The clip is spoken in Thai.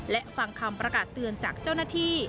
และฟังคำประกาศเตือนจากเจ้าหน้าที่